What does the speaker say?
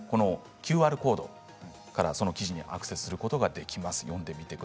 ＱＲコードから記事にアクセスすることができます。